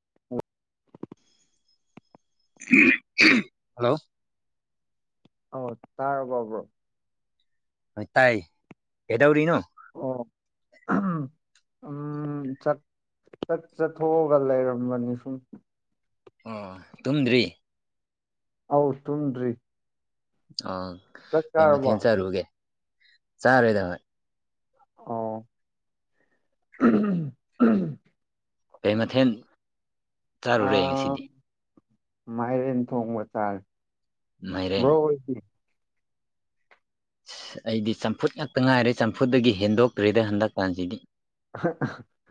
[unintelligible] hello ꯑꯣ ꯇꯥꯔꯕꯔꯣ bro ꯇꯥꯏ ꯀꯩꯗꯧꯔꯤꯅꯣ ꯑꯣ ꯑꯍꯝ ꯎꯝ ꯆꯥꯛ ꯆꯥꯛ ꯆꯥꯊꯣꯛꯑꯒ ꯂꯩꯔꯝꯕꯅ‌ꯦ ꯁꯨꯝ ꯑꯣ ꯇꯨꯝꯗ꯭ꯔꯤ ꯑꯥꯎ ꯇꯨꯝꯗ꯭ꯔꯤ ꯑꯥ ꯆꯥꯛ ꯀꯩ ꯆꯥꯔꯕꯣ ꯃꯊꯦꯜ ꯆꯥꯔꯨꯒꯦ ꯆꯥꯔꯦꯗ ꯍꯣꯏ ꯑꯣ ꯀꯩ ꯃꯊꯦꯟ ꯆꯥꯔꯨꯔꯦ ꯑꯥ ꯉꯁꯤꯗꯤ ꯃꯥꯏꯔꯦꯟ ꯊꯣꯡꯕ ꯆꯥꯔꯦ ꯃꯥꯏꯔꯦꯟ ꯕ꯭ꯔꯣ ꯍꯣꯏꯗꯤ ꯑꯩꯗꯤ ꯆꯝꯐꯨꯠ ꯉꯥꯛꯇ ꯉꯥꯏꯔꯦ ꯆꯝꯐꯨꯠꯇꯒꯤ ꯍꯦꯟꯗꯣꯛꯇ꯭ꯔꯦꯗ ꯍꯟꯗꯛꯀꯥꯟꯁꯤꯗꯤ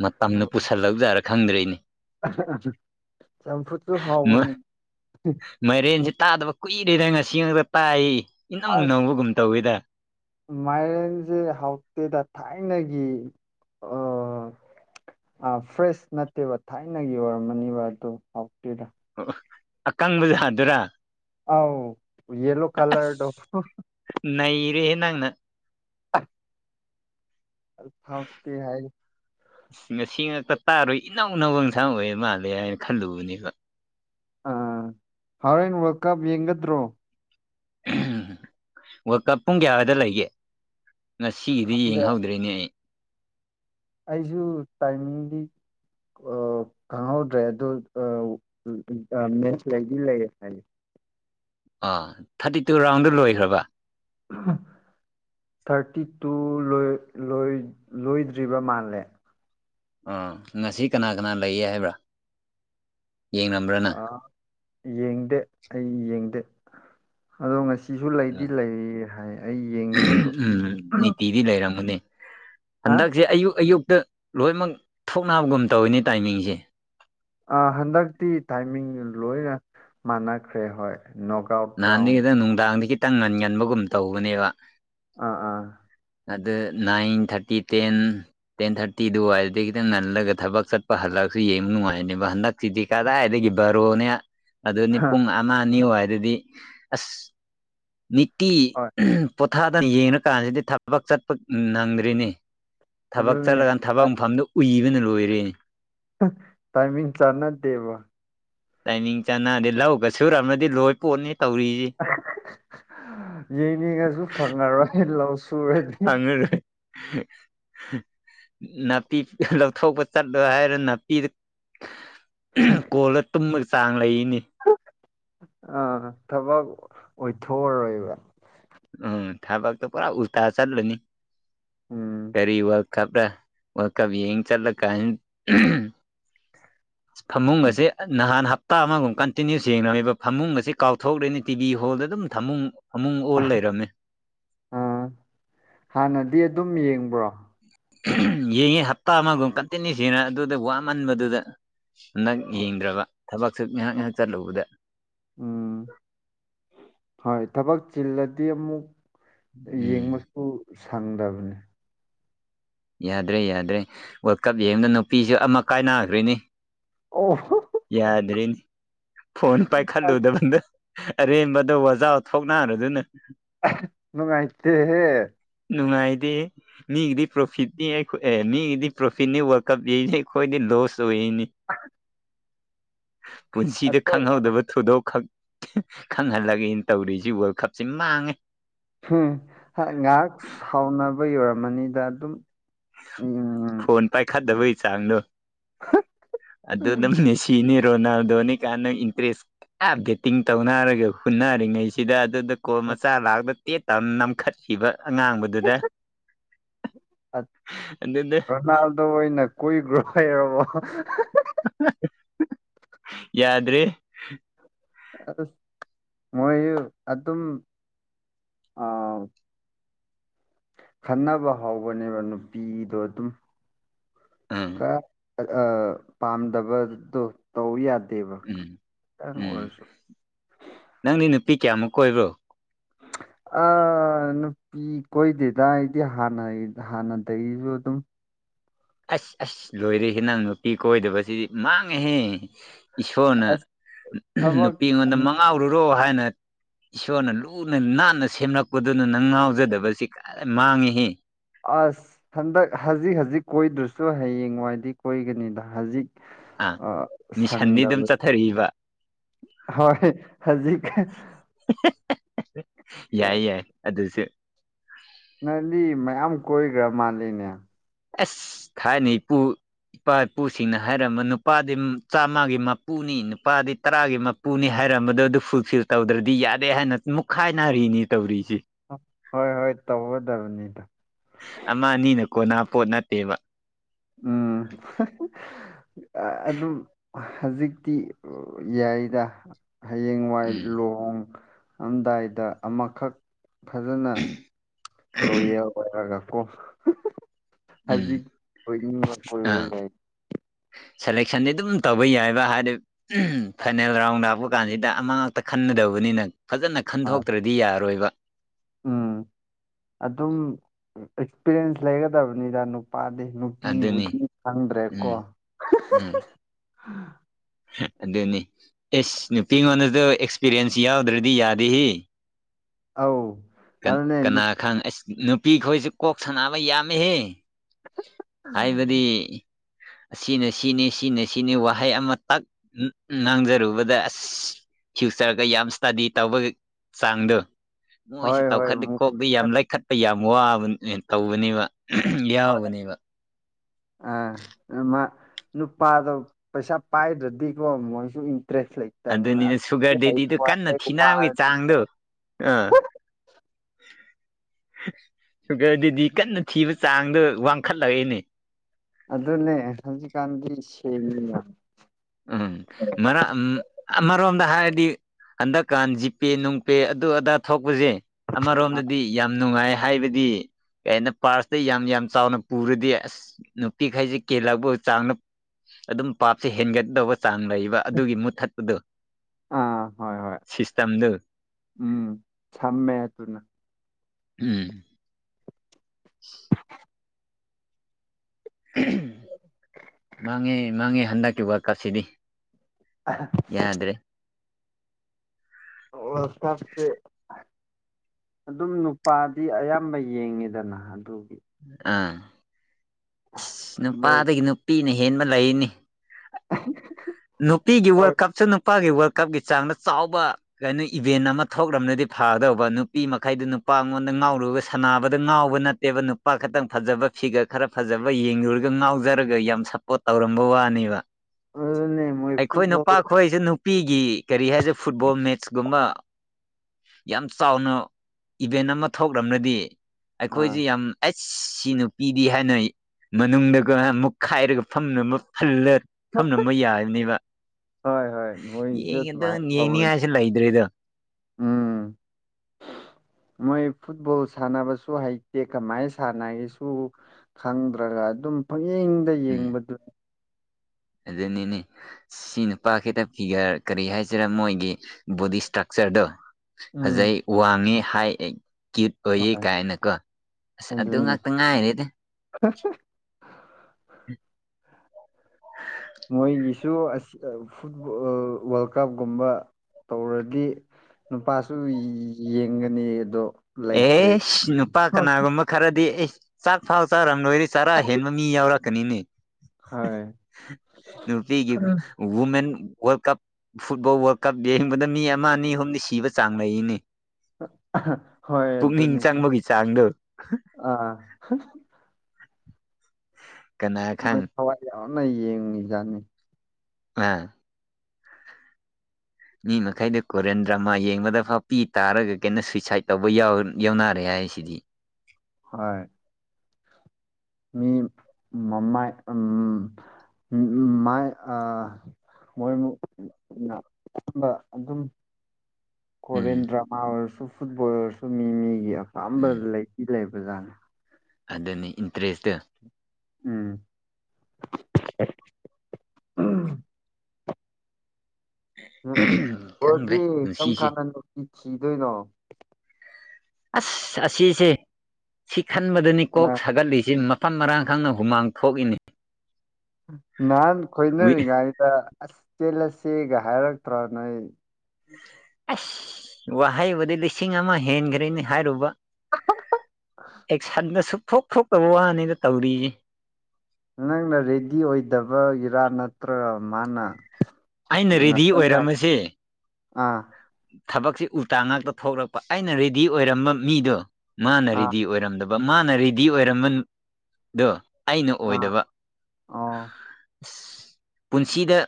ꯃꯇꯝꯅ ꯄꯨꯁꯤꯜꯂꯥꯕꯖꯔꯥ ꯈꯪꯗ꯭ꯔꯦꯅꯦ ꯆꯝꯐꯨꯠꯇꯨ ꯍꯥꯎꯕꯅꯤ ꯃꯥꯏꯔꯦꯟꯁꯦ ꯇꯥꯗꯕ ꯀꯨꯏꯔꯦꯗ ꯉꯁꯤꯉꯛꯇ ꯇꯥꯏ ꯑꯁ ꯏꯅꯧꯅꯧꯕꯒꯨꯝ ꯇꯧꯋꯤꯗ ꯃꯥꯏꯔꯦꯟꯁꯦ ꯍꯥꯎꯇꯦꯗ ꯊꯥꯏꯅꯒꯤ ꯑ ꯑ ꯐ꯭ꯔꯦꯁ ꯅꯠꯇꯦꯕ ꯊꯥꯏꯅꯒꯤ ꯑꯣꯏꯔꯝꯃꯅꯤꯕ ꯑꯗꯨ ꯍꯥꯎꯇ‌ꯦꯗ ꯑꯣ ꯑꯀꯪꯕꯁ‌ꯦ ꯍꯥꯗꯣꯏꯔꯥ ꯑꯥꯎ ꯌꯦꯂꯣ ꯑꯁ ꯀꯂꯔꯗꯣ ꯅꯩꯔꯦꯍꯦ ꯅꯪꯅ [inaudible] ꯗꯨ ꯍꯥꯎꯇ‌ꯦ ꯍꯥꯏ ꯉꯁꯤ ꯉꯥꯛꯇ ꯇꯥꯔꯣꯏ ꯏꯅꯧ ꯅꯧꯕ ꯏꯟꯁꯥꯡ ꯑꯣꯏꯔ ꯃꯥꯜꯂꯦ ꯍꯥꯏꯅ ꯈꯜꯂꯨꯕꯅꯦꯕ ꯑꯥ ꯍꯣꯔꯦꯟ ꯋꯥꯔꯜ ꯀꯞ ꯌꯦꯡꯒꯗ꯭ꯔꯣ ꯋꯥꯔꯠ ꯀꯞ ꯄꯨꯡ ꯀꯌꯥꯗ ꯂꯩꯒꯦ ꯉꯁꯤꯒꯤꯗꯤ ꯈꯪꯗꯦ ꯌꯦꯡꯍꯧꯗ꯭ꯔ‌ꯦꯅꯦ ꯑꯩ ꯑꯩꯁꯨ ꯇꯥꯏꯃꯤꯡꯗꯤ ꯑ ꯈꯪꯍꯧꯗ꯭ꯔꯦ ꯑꯗꯣ ꯑ ꯃ‌ꯦꯁ ꯂꯩꯗꯤ ꯂꯩ ꯍꯥꯏ ꯑ ꯊꯥꯔꯇꯤ ꯇꯨ ꯔꯥꯎꯟꯗ ꯂꯣꯏꯈ꯭ꯔꯕ ꯊꯥꯔꯇꯤ ꯇꯨ ꯂ‌ꯣꯏ ꯂ‌ꯣꯏ ꯂꯣꯏꯗ꯭ꯔꯤꯕ ꯃꯥꯜꯂꯦ ꯑꯥ ꯉꯁꯤ ꯀꯅꯥ ꯀꯅꯥ ꯂꯩꯌꯦ ꯍꯥꯏꯕ꯭ꯔꯥ ꯌꯦꯡꯅꯕ꯭ꯔꯅ ꯑ ꯌꯦꯡꯗꯦ ꯑꯩ ꯌꯦꯡꯗꯦ ꯑꯗꯣ ꯉꯁꯤꯁꯨ ꯂꯩꯗꯤ ꯎꯝ ꯂꯩ ꯍꯥꯏ ꯑꯩ ꯌꯦꯡꯗ꯭ꯔꯦꯕ ꯗꯤ ꯂꯩꯔꯝꯃꯅꯤ ꯍꯥ ꯍꯟꯗꯛꯁꯦ ꯑꯌꯨꯛ ꯑꯌꯨꯛꯇ ꯂꯣꯏꯅꯃꯛ ꯊꯣꯛꯅꯕꯒꯨꯝ ꯇꯧꯋꯤꯅꯦ ꯇꯥꯏꯃꯤꯡꯁꯦ ꯑ ꯍꯟꯗꯛꯇꯤ ꯇꯥꯏꯃꯤꯡ ꯂꯣꯏꯅ ꯃꯥꯟꯅꯈ꯭ꯔꯦ ꯍꯣꯏ ꯑꯥꯎꯠ ꯅꯍꯥꯟꯗꯤ ꯔꯥꯎꯟ ꯈꯤꯇꯪ ꯅꯨꯡꯗꯥꯡꯗꯤ ꯈꯤꯇꯪ ꯉꯟꯒꯟꯕꯒꯨꯝ ꯇꯧꯕꯅꯦꯕ ꯑꯥ ꯑꯥ ꯑꯗ ꯅꯥꯏꯟ ꯊꯥꯔꯇꯤ ꯇꯦꯟ ꯇꯦꯟ ꯊꯥꯔꯇꯤꯗꯨꯋꯥꯏꯗꯗꯤ ꯈꯤꯇꯪ ꯉꯜꯂꯒ ꯊꯕꯛ ꯆꯠꯄ ꯍꯜꯂꯛꯁꯨ ꯌꯦꯡꯕ ꯅꯨꯡꯉꯥꯏꯅꯦꯕ ꯍꯟꯗꯛ ꯁꯤꯗꯤ ꯀꯗꯥꯏꯗꯒꯤ ꯕꯥꯔꯣꯅꯦ ꯑꯗꯨꯅꯤ ꯄꯨꯡ ꯑꯃ ꯑꯅꯤ ꯑꯣꯏꯔꯗꯤ ꯑꯁ ꯅꯤꯇꯤ ꯍꯣꯏ ꯄꯣꯊꯥꯗꯅ ꯌꯦꯡꯉꯀꯥꯟꯁꯤꯗ ꯊꯕꯛ ꯆꯠꯄ ꯅꯪꯗ꯭ꯔꯤꯅ‌ꯦ ꯊꯕꯛ ꯑꯗꯨꯅꯦ ꯆꯠꯂꯒꯥꯟ ꯊꯕꯛ ꯃꯐꯝꯗ ꯎꯏꯕꯅ ꯂꯣꯏꯔꯦ ꯍ ꯇꯥꯏꯃꯤꯡ ꯆꯥꯥꯟꯅꯥ ꯗꯦꯕ ꯇꯥꯏꯃꯤꯡ ꯆꯤꯟꯅꯗ‌ꯦ ꯂꯧꯒ ꯁꯨꯔꯝꯃꯗꯤ ꯂꯣꯏ ꯄꯣꯠꯅꯤ ꯇꯧꯔꯤꯁꯤ ꯌꯦꯡꯅꯤꯡꯉꯁꯨ ꯐꯪꯉꯔꯣꯏ ꯂꯧꯁꯨ ꯐꯪꯉꯔ‌ꯣꯏ ꯅꯥꯄꯤ ꯂꯧꯊꯣꯛꯄ ꯆꯠꯂꯣ ꯍꯥꯏꯔ ꯅꯥꯄꯤꯗ ꯀꯣꯜꯂ ꯇꯨꯝꯕꯒꯤ ꯆꯥꯡ ꯂꯩꯌ‌ꯦꯅꯤ ꯑꯥ ꯊꯕꯛ ꯑꯣꯏꯊꯣꯛꯑꯔꯣꯏꯕ ꯎꯝ ꯊꯕꯛꯇꯣ ꯄꯨꯔꯥ ꯎꯇꯥ ꯆꯠꯂꯅꯤ ꯎꯝ ꯀꯔꯤ ꯈꯥꯔ꯭ꯜ ꯀꯞ ꯌꯦꯡ ꯆꯠꯂ ꯀꯥꯟ [unintelligible] ꯐꯃꯨꯡ ꯒꯁꯦ ꯅꯍꯥꯟ ꯍꯥꯞ ꯇꯥꯃꯒꯨꯝ ꯀꯟꯇꯤꯅ꯭ꯌꯨ ꯁꯡꯅꯃꯤꯕ ꯐꯃꯨꯡ ꯑꯁꯤ ꯀꯥꯎꯊꯣꯛꯈꯦꯅꯤ ꯇꯤꯚꯕꯤ ꯍꯣꯜꯗ ꯑꯗꯨꯝ ꯐꯃꯨꯡ ꯐꯃꯨꯡ ꯑꯣꯜ ꯂꯩꯔꯝꯃꯤ ꯑꯥ ꯍꯥꯟꯅꯗꯤ ꯑꯗꯨꯝ ꯌꯦꯡꯕ꯭ꯔꯣ ꯌꯦꯡꯉꯤ ꯍꯞꯇꯥ ꯑꯃꯒꯨꯝ ꯀꯟꯇꯤꯅꯌꯨꯁꯤꯅ ꯑꯗꯨꯗ ꯋꯥꯃꯟꯕꯗꯨꯗ ꯍꯟꯗꯛ ꯑꯣ ꯌꯦꯡꯗ꯭ꯔꯕ ꯊꯕꯛꯁꯨ ꯉꯥꯏꯍꯥꯛ ꯑꯣ ꯉꯥꯏꯍꯥꯛ ꯆꯠꯂꯨꯕꯗ ꯎꯝ ꯍꯣꯏ ꯊꯕꯛ ꯆꯤꯜꯂꯗꯤ ꯑꯃꯨꯛ ꯎꯝ ꯌꯦꯡꯕꯁꯨ ꯁꯪꯗꯝꯅꯤ ꯌꯥꯗ꯭ꯔꯦ ꯌꯥꯗ꯭ꯔꯦ ꯋꯥꯔꯜꯗ ꯀꯞ ꯌꯦꯡꯗꯅ ꯅꯨꯄꯤꯁꯨ ꯑꯃ ꯀꯥꯏꯅꯈ꯭ꯔꯤꯅꯤ ꯑꯣ ꯌꯥꯗ꯭ꯔꯤ ꯐꯣꯟ ꯄꯥꯏ ꯈꯜꯂꯨꯗꯕꯗ ꯑꯔꯦꯝꯕꯗꯥ ꯋꯥꯖꯥꯎ ꯊꯣꯛꯅꯔꯗꯨꯅ ꯅꯪꯉꯥꯏꯇꯦꯍꯦ ꯅꯨꯡꯉꯥꯏꯗꯦ ꯃꯤꯒꯤꯗꯤ ꯄ꯭ꯔꯣꯐꯤꯠꯅꯤ ꯑꯦ ꯃꯤꯒꯤꯗꯤ ꯄ꯭ꯔꯣꯐꯤꯠꯅꯤ ꯋꯥꯔ꯭ꯜ ꯀꯞ ꯌꯦꯡꯅꯤ ꯑꯩꯈꯣꯏꯗꯤ ꯂꯣꯁ ꯑꯣꯏꯅꯤ ꯑꯥ ꯄꯨꯟꯁꯤꯗ ꯑꯗꯣ ꯈꯪꯍꯧꯗꯕ ꯊꯧꯗꯣꯛꯈꯛ ꯈꯪꯍꯜꯂꯒꯦꯅ ꯇꯧꯔꯤꯁꯤ ꯋꯥꯔꯜ ꯀꯞꯁꯤ ꯃꯥꯡꯉꯦ ꯉꯥꯏꯍꯥꯛ ꯁꯥꯎꯅꯕ ꯑꯣꯏꯔꯝꯃꯅꯤꯗ ꯑꯗꯨꯝ ꯎꯝ ꯐꯣꯟ ꯄꯥꯏꯈꯠꯇꯕꯒꯤ ꯆꯥꯡꯗꯣ ꯑꯗꯨꯝ ꯃꯦꯁꯤꯅꯤ ꯔꯣꯅꯥꯜꯗꯣꯅꯤ ꯀꯥꯟꯅ ꯏꯟꯀ꯭ꯔꯦꯁ ꯑꯞ ꯗꯦꯇꯤꯡ ꯇꯧꯅꯔꯒꯦ ꯍꯨꯟꯅꯔꯤꯉꯩꯁꯤꯗ ꯑꯗꯨꯗ ꯀꯣꯜ ꯃꯆꯥ ꯂꯥꯛ ꯇꯦꯇ ꯇꯧꯔ ꯅꯝꯈꯠꯈꯤꯕ ꯑꯉꯥꯡꯕꯗꯨ ꯑꯗꯨꯗ ꯔꯣꯅꯥꯜꯗꯣ ꯑꯣꯏꯅ ꯀꯣꯏꯒ꯭ꯔꯣ [unintelligible] [unintelligible] ꯌꯥꯗ꯭ꯔꯤ ꯑ ꯃꯣꯏ ꯑꯗꯨꯝ ꯈꯟꯅꯕ ꯍꯧꯕꯅꯦꯕ ꯅꯨꯄꯤꯗꯣ ꯑꯗꯨꯝ ꯑꯥ ꯑꯥ ꯄꯥꯝꯗꯕꯗꯣ ꯇꯧ ꯌꯥꯗꯦꯕ ꯎꯝ ꯈꯤꯇꯪ ꯎꯝ ꯑꯣꯏꯔꯁꯨ ꯅꯪꯗꯤ ꯅꯨꯄꯤ ꯀꯌꯥꯃꯨꯛ ꯀꯣꯏꯕ꯭ꯔꯣ ꯑꯥ ꯅꯨꯄꯤ ꯀꯣꯏꯗꯦꯗ ꯑꯩꯗꯤ ꯍꯥꯟꯅ ꯍꯥꯟꯅꯗꯒꯤꯁꯨ ꯑꯗꯨꯝ ꯑꯁ ꯑꯁ ꯂꯣꯏꯔꯦꯍꯦ ꯅꯪ ꯅꯨꯄꯤ ꯀꯣꯏꯗꯕꯁꯤꯗꯤ ꯃꯥꯡꯉꯦꯍꯦ ꯏꯁꯣꯔꯅ ꯑꯁ ꯊꯕꯛ ꯅꯨꯄꯤ ꯑꯩꯉꯣꯟꯗ ꯃꯉꯥꯎꯔꯨꯔꯣ ꯍꯥꯏꯅ ꯏꯁꯣꯔꯅ ꯂꯨꯅ ꯅꯥꯟꯅ ꯁꯦꯝꯂꯛꯄꯗꯨꯅ ꯅꯪ ꯉꯥꯎꯖꯗꯕꯁꯤ ꯀꯔ ꯃꯥꯡꯉꯤꯍꯦ ꯑꯁ ꯍꯟꯗꯛ ꯍꯧꯖꯤꯛ ꯍꯧꯖꯤꯛ ꯀꯣꯏꯗ꯭ꯔꯁꯨ ꯍꯌꯦꯡꯋꯥꯏꯗꯤ ꯀꯣꯏꯒꯅꯤꯗ ꯍꯧꯖꯤꯛ ꯑꯥ ꯑ ꯃꯤꯁꯟꯗꯤ ꯑꯗꯨꯝ ꯁꯪꯗꯕ ꯆꯠꯊꯔꯤꯕ ꯍꯣꯏ ꯍꯧꯖꯤꯛ ꯌꯥꯏ ꯌꯥꯏ ꯑꯗꯨꯁꯨ ꯅꯪꯗꯤ ꯃꯌꯥꯝ ꯀꯣꯏꯈ꯭ꯔ ꯃꯥꯜꯂꯤꯅꯦ ꯑꯁ ꯊꯥꯏꯅꯥ ꯏꯄꯨ ꯏꯄꯥ ꯏꯄꯨꯁꯤꯡꯅ ꯍꯥꯏꯔꯝꯕ ꯅꯨꯄꯥꯗꯤ ꯆꯥꯝꯃꯒꯤ ꯃꯄꯨꯅꯤ ꯅꯨꯄꯥꯗꯤ ꯇꯔꯥꯒꯤ ꯄꯨꯅꯤ ꯍꯥꯏꯔꯝꯕꯗꯣ ꯑꯗꯨ ꯐꯨꯜꯐꯤꯜ ꯇꯧꯗ꯭ꯔꯗꯤ ꯌꯥꯗꯦ ꯍꯥꯏꯅ ꯃꯨꯛꯈꯥꯏꯅꯔꯤꯅꯤ ꯇꯧꯔꯤꯁꯤ ꯍꯣꯏ ꯍꯣꯏ ꯇꯧꯒꯗꯕꯅꯤꯗ ꯑꯃ ꯑꯅꯤꯅ ꯀꯣꯟꯅ ꯄꯣꯠ ꯅꯠꯇꯦꯕ ꯎꯝ ꯑꯗꯨꯝ ꯍꯧꯖꯤꯛꯇꯤ ꯌꯥꯏꯗ ꯍꯌꯦꯡꯋꯥꯏ ꯎꯝ ꯂꯨꯍꯣꯡꯉꯝꯗꯥꯏꯗ ꯑꯃꯈꯛ ꯐꯖꯅ ꯂꯣꯏꯌꯦꯒꯄꯣ ꯎꯝ ꯍꯧꯖꯤꯛ ꯑꯣꯏꯣꯏꯅꯤꯡꯕ ꯀꯣꯏꯔꯣꯏ ꯑꯥ ꯌꯥꯏ ꯁꯦꯂꯦꯛꯁꯟꯗꯤ ꯑꯗꯨꯝ ꯇꯧꯕ ꯌꯥꯏꯑꯕ ꯍꯥꯏꯗꯤ ꯐꯥꯏꯅꯦꯜ ꯔꯥꯎꯟ ꯂꯥꯛꯄ ꯀꯥꯟꯁꯤꯗ ꯑꯃꯥꯡ ꯉꯥꯛꯇ ꯈꯟꯅꯗꯕꯅꯤꯅ ꯐꯖꯅ ꯑ- ꯈꯟꯗꯣꯛꯇ꯭ꯔꯗꯤ ꯌꯥꯔꯣꯏꯕ ꯎꯝ ꯑꯗꯨꯝ ꯑꯦꯛꯁꯄꯤꯔꯤꯌꯦꯟꯁ ꯂꯩꯒꯗꯕꯅꯤꯗ ꯅꯨꯄꯥꯗꯤ ꯑꯗꯨꯅꯤ ꯅꯨꯄꯤꯕꯨꯗꯤ ꯈꯪꯗ꯭ꯔꯦꯀꯣ ꯎꯝ ꯎꯝ ꯑꯗꯨꯅꯤ ꯑꯦꯁ ꯅꯨꯄꯤꯉꯣꯟꯗꯁꯨ ꯑꯦꯛꯁꯄꯤꯔꯤꯌꯦꯟꯁ ꯌꯥꯎꯗ꯭ꯔꯗꯤ ꯌꯥꯗꯤꯦ ꯍ ꯑꯥꯎ ꯀꯅꯥ ꯈꯪ ꯑꯁ ꯅꯨꯄꯤ ꯈꯣꯏꯁꯨꯦ ꯀꯣꯛ ꯁꯥꯟꯅꯕ ꯌꯥꯝꯃꯤꯍ ꯍꯥꯏꯕꯗꯤ ꯑꯁꯤꯅ ꯁꯤꯅꯤ ꯁꯤꯅ ꯁꯤꯅꯤ ꯋꯥꯍꯩ ꯑꯃꯇꯛ ꯉꯥꯡꯖꯔꯨꯕꯗ ꯑꯁ ꯐ꯭ꯌꯨꯆꯔꯒ ꯌꯥꯝ ꯏꯁꯇꯗꯤ ꯇꯧꯕꯒꯤ ꯆꯥꯡꯗꯣ ꯃꯣꯏꯁꯨ ꯍꯣꯏ ꯍꯣꯏ ꯇꯧꯈꯂꯤꯀꯣ ꯃꯨ- ꯀꯣꯛꯗ ꯌꯥꯝ ꯑꯁ, ꯂꯩꯈꯠꯄ ꯌꯥꯝ ꯋꯥꯕꯅꯪ ꯇꯧꯕꯅꯦꯕ ꯍꯣꯏ ꯌꯥꯎꯕꯅꯦꯕ ꯑꯥ ꯑꯃꯥ ꯅꯨꯄꯥꯗꯣ ꯄꯩꯁꯥ ꯄꯥꯏꯗ꯭ꯔꯗꯤꯀꯣ ꯃꯣꯏꯁꯨ ꯏꯟꯇꯔꯦꯁ ꯂꯩꯇ ꯑꯗꯨꯅꯤ ꯁꯨꯒꯔ ꯗꯦꯗꯤꯗꯨ ꯀꯟꯅ ꯊꯤꯅꯕꯒꯤ ꯆꯥꯡꯗꯣ ꯑ ꯁꯨꯒꯔꯗꯦꯗꯤ ꯀꯟꯅ ꯊꯤꯕ ꯆꯥꯡꯗꯣ ꯋꯥꯡꯈꯠꯂꯛꯏꯅꯦ ꯑꯗꯨꯅꯦ ꯍꯧꯖꯧꯒꯤꯛꯀꯥꯟꯟꯗꯤ ꯁꯦꯟꯅꯤꯅ ꯎꯝ ꯃꯔ ꯃꯔꯣꯡꯗ ꯍꯥꯏꯗꯤ ꯍꯟꯗꯛꯀꯥꯟ ꯖꯤꯄꯦ ꯅꯨꯡꯄꯦ ꯑꯗꯨ ꯑꯗꯥ ꯊꯣꯛꯄꯁꯦ ꯑꯃꯔꯣꯝꯗꯗꯤ ꯌꯥꯝ ꯅꯨꯡꯉꯥꯏ ꯍꯥꯏꯕꯗꯤ ꯀꯩ ꯍꯥꯏꯅ ꯄꯥꯔꯁꯇ ꯌꯥꯝ ꯌꯥꯝ ꯆꯥꯎꯅ ꯄꯨꯔꯗꯤ ꯑꯁ ꯅꯨꯄꯤꯈꯩꯁꯤꯦ ꯀꯦꯜꯂꯛꯄ ꯆꯥꯡꯅ ꯑꯗꯨꯝ ꯄꯥꯞꯁꯦ ꯍꯦꯟꯒꯠ ꯇꯧꯕ ꯆꯥꯡ ꯂꯩꯕ ꯑꯗꯨꯒꯤ ꯃꯨꯠꯊꯠꯄꯗꯨ ꯑꯥ ꯍꯣꯏ ꯍꯣꯏ ꯁꯤꯁꯇꯦꯝꯗꯨ ꯎꯝ ꯁꯝꯃꯦ ꯑꯗꯨꯅ ꯎꯝ ꯎ ꯃꯥꯡꯉꯦ ꯃꯥꯡꯉꯦ ꯍꯟꯗꯛꯀꯤ ꯋꯥꯜ ꯀꯥꯞꯁꯤꯗꯤ ꯑꯥ ꯋꯥꯔꯜꯗ ꯀꯞꯁꯦ ꯑꯗꯨꯝ ꯅꯨꯄꯥꯗꯤ ꯑꯌꯥꯝꯕ ꯌꯦꯡꯉꯤꯗꯅ ꯑꯗꯨꯒꯤ ꯑꯥ ꯑꯁ ꯃꯣꯏ ꯅꯨꯄꯥꯗꯒꯤ ꯅꯨꯄꯤꯅ ꯍꯦꯟꯕ ꯂꯩꯌꯦꯅꯦ ꯑꯍꯨꯝ ꯍꯨꯝ ꯅꯨꯄꯤꯒꯤ ꯋꯥꯔꯜ ꯀꯞꯁꯨ ꯅꯨꯄꯥꯒꯤ ꯋꯥꯔꯜ ꯀꯞꯀꯤ ꯆꯥꯡꯗ ꯆꯥꯎꯕ ꯀꯩꯅꯣ ꯏꯚꯦꯟ ꯑꯃ ꯊꯣꯛꯂꯝꯕꯗꯤ ꯐꯥꯒꯗꯧꯕ ꯅꯨꯄꯤ ꯃꯈꯩꯗꯨ ꯅꯨꯄꯥ ꯃꯉꯣꯟꯗ ꯉꯥꯎꯔꯨꯔꯒ ꯁꯥꯟꯅꯕꯗ ꯉꯥꯎꯕ ꯅꯠꯇꯦ ꯅꯠꯇꯦꯕ ꯅꯨꯄꯥ ꯈꯛꯇꯪ ꯐꯖꯕ ꯐꯤꯒꯔ ꯈꯔ ꯐꯖꯕ ꯌꯦꯡꯂꯨꯔꯒ ꯉꯥꯎꯖꯔꯒ ꯌꯥꯝ ꯁꯄꯣꯔꯠ ꯇꯧꯔꯝꯕ ꯋꯥꯅꯦꯕ ꯑꯗꯨꯅꯦ ꯃꯣꯏ ꯑꯩꯈꯣꯏ ꯐꯨꯠꯕꯣꯜ ꯅꯨꯄꯥꯈꯣꯏꯁꯦ ꯅꯨꯄꯤꯒꯤ ꯀꯔꯤ ꯍꯥꯏꯁꯦ ꯐꯨꯠꯕꯣꯜ ꯃꯦꯠꯆꯀꯨꯝꯕ ꯌꯥꯝ ꯆꯥꯎꯅ ꯏꯚꯦꯟ ꯑꯃ ꯊꯣꯛꯂꯝꯂꯗꯤ ꯑꯥ ꯑꯩꯈꯣꯏꯁꯤ ꯌꯥꯝ ꯑꯩꯁ ꯁꯤ ꯅꯨꯄꯤꯗꯤ ꯍꯥꯏꯅꯣꯏ ꯃꯅꯨꯡꯗꯒ ꯃꯨꯛꯈꯥꯏꯔꯒ ꯐꯝꯅ ꯐꯜꯂ ꯐꯝꯂꯝꯕ ꯌꯥꯕꯅꯦꯕ ꯍꯣꯏ ꯍꯣꯏ ꯃꯣꯏꯒꯤꯁꯨ ꯑꯗꯨꯃꯥꯏꯅ ꯌꯦꯡꯉꯗꯪ ꯇꯧꯔꯅꯤ ꯌꯦꯡꯅꯤꯡꯉꯥꯏꯁꯨ ꯂꯩꯇꯔꯦꯗ ꯎꯝ ꯃꯣꯏ ꯐꯨꯠꯕꯣꯜ ꯁꯥꯟꯅꯕꯁꯨ ꯍꯩꯇꯦ ꯀꯃꯥꯏꯅ ꯁꯥꯟꯅꯒꯦꯁꯨ ꯈꯪꯗ꯭ꯔꯒ ꯑꯗꯨꯝ ꯐꯛꯌꯦꯡꯗ ꯌꯦꯡꯕꯗꯨ ꯑꯗꯨꯗꯅꯤꯅꯦ ꯁꯤ ꯅꯨꯄꯥ ꯈꯤꯇ ꯐꯤꯒꯔ ꯀꯔꯤ ꯍꯥꯏꯁꯤꯔꯥ ꯃꯣꯏꯒꯤ ꯕꯣꯗꯤ ꯏꯁꯇ꯭ꯔꯛꯆꯔꯗꯣ ꯎꯝ ꯐꯖꯩ ꯋꯥꯡꯉꯤ ꯍꯥꯏ ꯑꯦ ꯀ꯭ꯌꯨꯠ ꯑꯣꯏꯌꯦ ꯍꯣꯏ ꯀꯥꯏꯅꯀꯣ ꯑꯁ ꯑꯗꯨ ꯉꯥꯛꯇ ꯉꯥꯏꯔꯦꯗ ꯍꯨꯝ ꯍꯨꯝ ꯃꯣꯏꯒꯤ ꯁꯨ ꯐꯨꯠ ꯋꯥꯔꯜ ꯒꯨꯝꯕ ꯍꯧꯔꯗꯤ ꯅꯨꯄꯥꯁꯨ ꯌꯦꯡꯒꯅꯤ ꯑꯗꯣ ꯂꯩꯇ꯭ꯔꯦ ꯑꯦꯁ ꯅꯨꯄꯥ ꯀꯅꯥꯒꯨꯝꯕ ꯈꯔꯗꯤ ꯑꯩ ꯆꯥꯛ ꯐꯥꯎ ꯆꯥꯔꯝ ꯂꯣꯏꯅꯦ ꯆꯥꯔꯥ ꯍꯦꯟꯕ ꯃꯤ ꯌꯥꯎꯔꯛꯀꯅꯤꯅꯦ ꯍꯣꯏ ꯅꯨ ꯄꯤꯒꯤ women world cup football world cup ꯌꯦꯡꯕꯗ ꯃꯤ ꯑꯃ ꯑꯅꯤ ꯑꯍꯨꯝꯗꯤ ꯁꯤꯕ ꯆꯥꯡ ꯂꯩꯅꯤ ꯍꯣꯏ ꯑꯗꯨꯅꯤ ꯆꯥꯡꯗꯣ ꯑꯥ ꯀꯅꯥ ꯃꯣꯏ ꯈꯪ ꯊꯋꯥꯏ ꯌꯥꯎꯅ ꯌꯦꯡꯉꯤꯖꯥꯠꯅꯤ ꯑꯥ ꯃꯤ ꯃꯈꯩꯗ ꯀꯣꯔꯦꯟ ꯗ꯭ꯔꯃꯥ ꯌꯦꯡꯕꯗ ꯐꯥꯎ ꯄꯤ ꯇꯥꯔꯒ ꯀꯩꯅ ꯁꯨꯋꯏꯁꯥꯏꯠ ꯇꯧꯕ ꯌꯥꯎꯅꯔꯦ ꯍꯥꯏ ꯁꯤꯗꯤ ꯍꯣꯏ ꯃꯤ ꯃꯃꯥꯏ ꯎꯝ ꯃꯥꯏ ꯑ ꯃꯣꯏꯃꯝꯕ ꯑꯗꯨꯝ ꯀꯣꯔꯦꯟ ꯎꯝ ꯗ꯭ꯔꯃꯥ ꯑꯣꯏꯔꯁꯨ ꯐꯨꯠꯕꯣꯜ ꯑꯣꯏꯔꯁꯨ ꯃꯤ ꯃꯤꯒꯤ ꯑꯄꯥꯝꯕ ꯎꯝ ꯂꯩ ꯏꯂ ꯏꯕꯖꯥꯅ ꯑꯗꯨꯅꯤ ꯏꯟꯇꯔꯦꯁꯇ ꯎꯝ ꯎ ꯈꯪꯗ꯭ꯔꯦ ꯑꯣꯗꯤ ꯀꯔꯝ ꯄꯨꯟꯁꯤꯁꯦ ꯀꯥꯟꯅ ꯅꯨꯡ ꯁꯤꯗꯣꯏꯅꯣ ꯑꯁ ꯑꯁꯤꯁꯦ ꯁꯤ ꯈꯟꯕꯗꯅꯤ ꯀꯣꯛ ꯑ ꯁꯥꯒꯠꯂꯤꯁ ꯃꯄꯜ ꯃꯔꯥꯡ ꯈꯪꯅ ꯍꯨꯃꯥꯡ ꯊꯣꯛꯏꯅꯤ ꯅꯍꯥꯟ ꯈꯣꯏꯅꯔꯤꯉꯥꯏꯗ ꯑꯁ ꯆꯦꯜꯂꯁꯦꯒ ꯍꯥꯏꯔꯛꯇ꯭ꯔꯣ ꯅ ꯑꯁ ꯋꯥꯍꯩꯕꯗꯤ ꯂꯤꯁꯤꯡ ꯑꯃ ꯍꯦꯟꯈ꯭ꯔꯦꯅꯤ ꯍꯥꯏꯔꯨꯕ ꯑꯦꯛꯁꯟꯗ ꯁꯨꯛ ꯊꯣꯛ ꯊꯣꯛꯇꯕ ꯋꯥꯅꯤꯅ ꯇꯧꯔꯤꯁꯦ ꯅꯪꯅ ꯔꯦꯗꯤ ꯑꯣꯏꯗꯕꯒꯤꯔꯥ ꯅꯠꯇ꯭ꯔ ꯃꯥꯅ ꯑꯩꯅ ꯉ ꯔꯦꯗꯤ ꯑꯣꯏꯔꯝꯃꯁꯦ ꯑꯥ ꯊꯕꯛꯁꯤ ꯎꯇꯥ ꯉꯥꯛꯇ ꯊꯣꯛꯂꯛꯄ ꯑꯩꯅ ꯔꯦꯗꯤ ꯑꯣꯏꯔꯝꯕ ꯃꯤꯗꯣ ꯃꯥꯅ ꯑꯥ ꯔꯦꯗꯤ ꯑꯣꯏꯔꯝꯗꯕ ꯃꯥꯅ ꯔꯦꯗꯤ ꯑꯣꯏꯔꯝꯕꯗꯣ ꯑꯩꯅ ꯑꯥ ꯑꯣꯏꯗꯕ ꯑꯣ ꯑ ꯄꯨꯟꯁꯤꯗ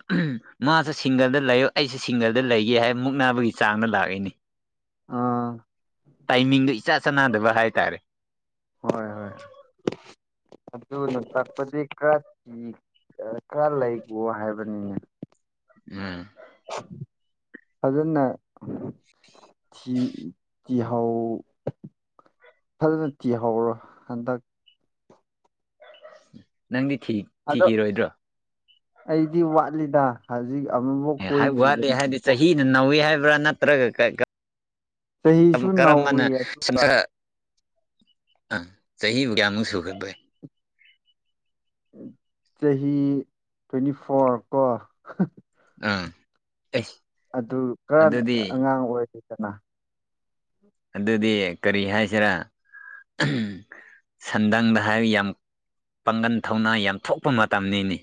ꯃꯥꯁꯨꯦ ꯁꯤꯡꯒꯜꯗ ꯂꯩꯌꯣ ꯑꯩꯁꯨ ꯁꯤꯡꯒꯜꯗ ꯂꯩꯒꯦ ꯍꯥꯏ ꯃꯨꯛꯅꯕꯒꯤ ꯆꯥꯡꯅ ꯂꯥꯛꯏꯅꯤ ꯑꯥ ꯇꯥꯏꯃꯤꯡꯗꯣ ꯏꯆꯥ ꯆꯥꯟꯅꯗꯕ ꯍꯥꯏꯇꯥꯔꯦ ꯍꯣꯏ ꯍꯣꯏ ꯑꯗꯨꯅ ꯇꯛꯄꯗꯤ ꯀꯔ ꯀꯤ ꯈꯔ ꯂꯩꯈꯣ ꯍꯥꯏꯕꯅꯤꯅꯦ ꯎꯝ ꯑꯗꯨꯖꯅ ꯁꯤ ꯇꯤꯍꯧ ꯐꯖꯅ ꯇꯤꯍꯧꯔꯣꯏ ꯍꯟꯗꯛ ꯅꯪꯗꯤ ꯊꯤ ꯑꯗꯣ ꯊꯤꯈꯤꯔꯣꯏꯗ꯭ꯔꯣ ꯑꯩꯗꯤ ꯋꯥꯠꯂꯤꯗ ꯍꯧꯖꯤꯛ ꯑꯃꯨꯐꯥꯎ ꯑꯦ ꯋꯥꯠꯂꯤ ꯀꯣꯏꯗ꯭ꯔꯤꯕꯅꯤꯣ ꯍꯥꯏꯗꯤ ꯆꯍꯤꯅ ꯅꯧꯋꯤ ꯍꯥꯏꯕ꯭ꯔꯥ ꯅꯠꯇ꯭ꯔꯒ ꯆꯍꯤꯁꯨ ꯀꯔꯝꯕꯅ ꯅꯧꯔꯤ ꯑꯗꯨꯒ ꯑ ꯆꯍꯤꯕꯨ ꯀꯌꯥꯃꯨꯛ ꯁꯨꯒꯠꯄꯦ ꯆꯍꯤ ꯇ꯭ꯋꯦꯟꯇꯤ ꯐꯣꯔ ꯀꯣ ꯑꯥ ꯑꯗꯨ ꯀꯔ ꯑꯗꯨꯗꯤ ꯑꯉꯥꯡ ꯑꯣꯏꯔꯤꯗꯅ ꯑꯗꯨꯗꯤ ꯀꯔꯤ ꯍꯥꯏꯁꯤꯔꯥ ꯁꯟꯗꯪꯗ ꯍꯥꯏꯕ ꯌꯥꯝ ꯄꯥꯡꯒꯟ ꯊꯧꯅꯥ ꯌꯥꯝ ꯊꯣꯛꯄ ꯃꯇꯝꯅꯤꯅꯤ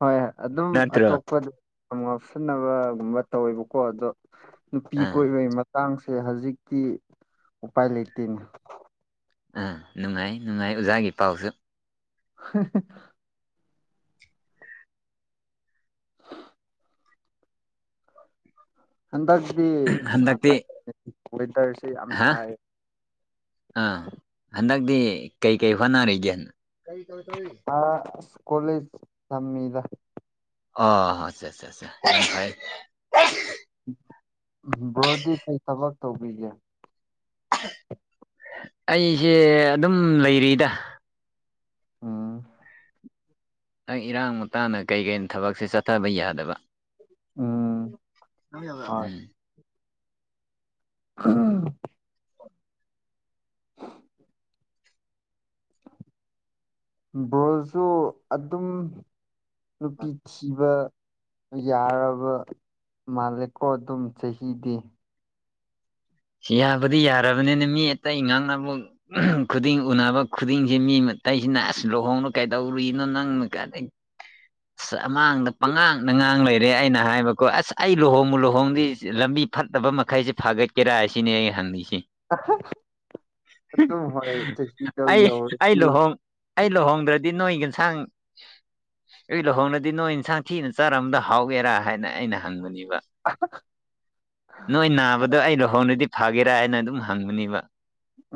ꯍꯣꯏ ꯑꯗꯨꯝ ꯅꯠꯇ꯭ꯔꯣ ꯑꯇꯣꯞꯄꯗꯤ ꯌꯥꯝ ꯉꯞꯁꯟꯅꯕꯒꯨꯝꯕ ꯇꯧꯋꯦꯕꯀꯣ ꯑꯗꯣ ꯅꯨꯄꯤ ꯑꯥ ꯀꯣꯏꯕꯒꯤ ꯍꯛꯆꯥꯡꯁꯦ ꯍꯧꯖꯤꯛꯇꯤ ꯎꯄꯥꯏ ꯂꯩꯇꯦꯅꯦ ꯎꯝ ꯅꯨꯡꯉꯥꯏ ꯅꯨꯡꯉꯥꯏ ꯑꯣꯖꯥꯒꯤ ꯄꯥꯎꯁꯨ ꯍ [unintelligible] ꯍꯟꯗꯛꯇꯤ ꯍꯟꯗꯛꯇꯤ ꯋꯦꯗꯔꯁꯦ ꯌꯥꯝ ꯍꯥ ꯁꯥꯏ ꯑꯥ ꯍꯟꯗꯛꯇꯤ ꯀꯩ ꯀꯩ ꯍꯣꯠꯅꯔꯤꯒꯦ ꯑꯁ ꯀꯣꯂꯦꯖ ꯇꯝꯃꯤꯗ ꯑꯣ ꯑꯆꯥ [unintelligible] ꯕ꯭ꯔꯣꯗꯤ ꯀꯩ ꯊꯕꯛ ꯇꯧꯕꯤꯒꯦ ꯑꯩꯁꯦ ꯑꯗꯨꯝ ꯂꯩꯔꯤꯗ ꯎꯝ ꯑꯩꯪ ꯏꯔꯥꯡ ꯃꯇꯇꯥꯅ ꯀꯩ ꯀꯩ ꯊꯕꯛꯁꯦ ꯆꯠꯊꯕ ꯌꯥꯗꯕ ꯎꯝ ꯍꯣꯏ [unintelligible] ꯑꯥ [unintelligible] ꯕ꯭ꯔꯣꯁꯨ ꯑꯗꯨꯝ ꯅꯨꯄꯤ ꯊꯤꯕ ꯌꯥꯔꯕ ꯃꯥꯂꯦꯀꯣ ꯑꯗꯨꯝ ꯆꯍꯤꯗꯤ ꯌꯥꯕꯗꯤ ꯌꯥꯔꯕꯅꯤꯅ ꯃꯤ ꯑꯇꯩ ꯉꯥꯡꯅꯕꯨꯛ ꯈꯨꯗꯤꯡ ꯎꯅꯕ ꯈꯨꯗꯤꯡꯖꯦ ꯃꯤ ꯃꯇꯩꯏꯁꯤꯅ ꯑꯁ ꯂꯨꯍꯣꯡꯅ ꯀꯩꯗꯧꯔꯤꯅꯣ ꯅꯪꯅ ꯀꯥꯟꯅꯩ [inaudible] ꯑ ꯑꯃꯥꯡꯗ ꯄꯉꯥꯡ ꯅ ꯉꯥꯡ ꯂꯩꯔꯦ ꯑꯩꯅ ꯍꯥꯏꯕꯀꯣ ꯑꯁ ꯑꯩ ꯂꯨꯍꯣꯡꯉꯨ ꯂꯨꯍꯣꯡꯗꯤ ꯂꯝꯕꯤ ꯐꯠꯇꯕ ꯃꯈꯩꯁꯦ ꯐꯥꯒꯠꯀ ꯀꯦꯔꯥ ꯑꯁꯤꯅꯦ ꯑꯩ ꯍꯪꯉꯁꯤ ꯑꯗꯨꯝ ꯍꯣꯏ ꯆꯍꯤꯗꯣ ꯑꯩ ꯑꯩ ꯌꯧꯔꯗꯤ ꯂꯨꯍꯣꯡ ꯑꯩ ꯂꯨꯍꯣꯡꯗ꯭ꯔꯗꯤ ꯅꯣꯏ ꯌꯦꯟꯁꯥꯡ ꯑꯩ ꯂꯨꯍꯣꯡꯅꯗꯤ ꯅꯣꯏ ꯏꯟꯁꯥꯡ ꯊꯤꯅ ꯆꯥꯔꯝꯝꯕꯗ ꯍꯥꯎꯒꯦꯔꯥ ꯍꯥꯏꯅ ꯑꯩꯅ ꯍꯪꯕꯅꯦꯕ ꯑ [unintelligible] ꯅꯣꯏ ꯅꯥꯕꯗꯣ ꯑꯩ ꯂꯨꯍꯣꯡꯅꯗꯤ ꯐꯒꯦꯔꯥ ꯍꯥꯏꯅ ꯑꯗꯨꯝ ꯍꯪꯕꯅꯦꯕ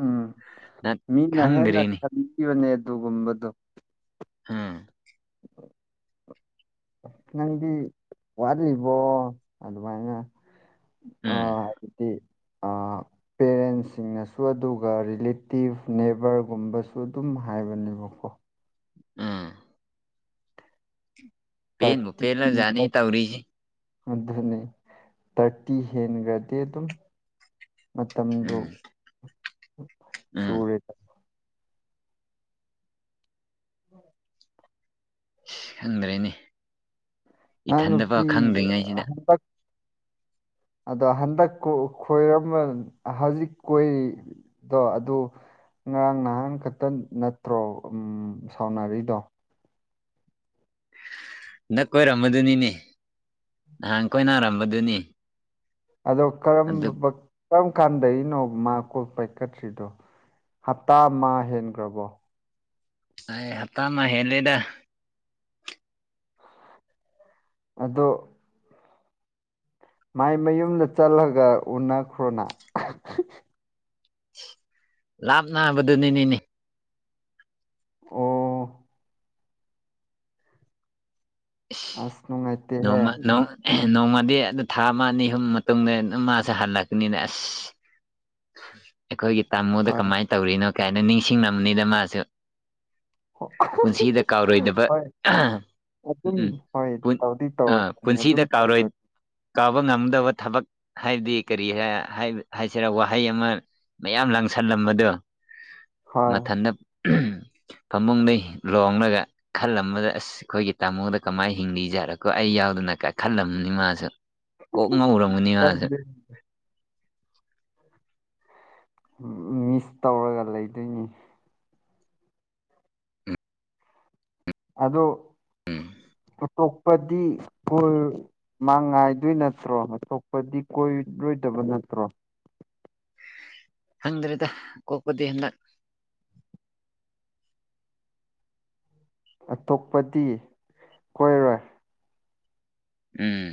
ꯎꯝ ꯅ ꯃꯤꯅ ꯍꯦꯟꯅ ꯈꯪꯗ꯭ꯔꯦꯅꯦ ꯈꯟꯕꯤꯕꯅꯦ ꯑꯗꯨꯒꯨꯝꯕꯗꯣ ꯎꯝ [inaudible] ꯅꯪꯗꯤ ꯋꯥꯠꯂꯤꯕꯣ ꯑꯗꯨꯃꯥꯏꯅ ꯎꯝ ꯑꯥ ꯑꯗꯨꯗꯤ ꯑꯥ ꯄꯦꯔꯦꯟꯁꯁꯤꯡꯅꯁꯨ ꯑꯗꯨꯒ ꯔꯤꯂꯦꯇꯤꯞ ꯅꯦꯕꯔꯒꯨꯝꯕꯁꯨ ꯑꯗꯨꯝ ꯍꯥꯏꯕꯅꯦꯕꯀꯣ ꯎꯝ ꯄꯦꯟꯕꯨ ꯊꯥꯔꯇꯤ ꯄꯦꯂꯖꯅꯤ ꯇꯧꯔꯤꯖꯦ ꯑꯗꯨꯅꯤ ꯊꯔꯇꯤ ꯍꯦꯟꯒꯔꯗꯤ ꯑꯗꯨꯝ ꯎꯝ ꯃꯇꯝꯗꫭ ꯎꯝ ꯁꯨꯔꯦ [inaudible] ꯈꯪꯗ꯭ꯔꯦꯅꯦ ꯑꯥ ꯏꯊꯟꯗꯐꯥꯎ ꯅꯨꯄꯤ ꯈꯪꯗ꯭ꯔꯤꯉꯩꯁꯤꯗ ꯍꯟꯇꯛ ꯑꯗꯣ ꯍꯟꯗꯛ ꯈꯣꯏꯔꯝꯕ ꯍꯧꯖꯤꯛ ꯀꯣꯏꯔꯤ ꯑꯗꯣ ꯑꯗꯨ ꯉꯔꯥꯡ ꯅꯍꯥꯟ ꯈꯛꯇ ꯅꯠꯇ꯭ꯔꯣ ꯎꯝ ꯁꯥꯎꯅꯔꯤꯗꯣ ꯅꯛ ꯀꯣꯏꯔꯝꯕꯗꯨꯅꯤꯅꯦ ꯅꯍꯥꯟ ꯀꫭꯏꯅꯥꯔꯝꯕꯗꯨꯅꯤ ꯑꯗꯣ ꯀꯔꯝꯕ ꯀꯔꯝ ꯀꯥꯟꯗꯅꯣ ꯃꯥ ꯀꯣꯜ ꯄꯥꯏꯈꯠꯇ꯭ꯔꯤꯗꯣ ꯍꯞꯇꯥ ꯑꯃ ꯍꯦꯟꯈ꯭ꯔꯕꯣ ꯑꯦ ꯍꯥꯞꯇꯥꯃꯥ ꯍꯦꯜꯂꯦꯗ ꯑꯗꯣ ꯃꯥꯏ ꯃꯌꯨꯝꯗ ꯆꯠꯂꯒ ꯎꯅꯈ꯭ꯔꯣꯅ ꯂꯥꯞ ꯅꯥꯕꯗꯨꯅꯤꯅꯤꯅꯦ ꯑꯣ ꯥꯏꯁ ꯑꯁ ꯅꯨꯡꯉꯥꯏꯇꯦꯍꯦ ꯅꯣꯃ ꯅꫭ ꯅꯣꯡꯃꯗꯤ ꯑꯗꯨ ꯊꯥ ꯑꯃ ꯑꯅꯤ ꯑꯍꯨꯝ ꯃꯇꯨꯡꯗ ꯃꯥꯁꯦ ꯍꯜꯂꯛꯀꯅꯤꯅ ꯑꯁ ꯑꯩꯈꯣꯏꯒꯤ ꯇꯥꯃꯣꯗ ꯍꯣꯏ ꯀꯃꯥꯏꯅ ꯇꯧꯔꯤꯅꯣ ꯀꯩ ꯍꯥꯏꯅ ꯅꯤꯡꯁꯤꯡꯅꯤꯗ ꯃꯥꯁꯨ ꯍꯣꯏ ꯄꯨꯟꯁꯤꯗ ꯀꯥꯎꯔꯣꯏꯗꯕ ꯑꯗꯨꯝ ꯎꯝ ꯍꯣꯏ ꯄꯨꯟ ꯇꯧꯗꯤ ꯑ ꯇꯧꯔꯛꯀꯅꯤ ꯑꯗꯨꯝ ꯄꯨꯟꯁꯤꯗ ꯀꯥꯎꯔꯣꯏ ꯇꯧꯒ ꯀꯥꯎꯕ ꯉꯝꯗꯕ ꯊꯕꯛ ꯍꯥꯏꯕꯗꯤ ꯀꯔꯤ ꯍꯥꯏꯁꯤꯔ ꯋꯥꯍ ꯍꯩ ꯑꯃ ꯃꯌꯥꯝ ꯂꯪꯁꯜꯂꯝꯕꯗꯣ ꯍꯣꯏ ꯃꯊꯟꯇ [inaudible] ꯐꯃꯨꯡꯗꯒꯩ ꯂꯣꯡꯂꯒ ꯈꯜꯂꯝꯕꯗ ꯑꯁ ꯑꯩꯈꯣꯏꯒꯤ ꯇꯥꯃꯣꯗ ꯀꯃꯥꯏꯅ ꯍꯤꯡꯂꯤꯖꯔꯀꯣ ꯑꯩ ꯌꯥꯎꯗꯅ ꯀ ꯈꯜꯂꯝꯕꯅꯤ ꯃꯥꯁꯨ ꯀꯣꯛ ꯉꯧꯔꯝꯒꯅꯤ ꯃꯥꯁꯦ ꯍꯥꯏꯕꯗꯤ ꯃꯤꯁ ꯇꯧꯔꯒ ꯂꯩꯗꯣꯏꯅꯤ ꯑꯗꫭ ꯎꯝ ꯑꯇꯣꯞꯄꯗꯤ [unintelligible] ꯃꯥ ꯉꯥꯏꯗꯣꯏ ꯅꯠꯇ꯭ꯔꯣ ꯑꯇꯣꯛꯞꯄꯗꯤ ꯀꯣꯏꯔꯣꯏꯗꯕ ꯅꯠꯇ꯭ꯔꯣ ꯍꯪꯗ꯭ꯔꯦꯗ ꯀꯣꯛꯄꯗꯤ ꯍꯟꯗꯛ ꯑꯇꯣꯞꯄꯗꯤ ꯀꯣꯏꯔꯣꯏ ꯎꯝ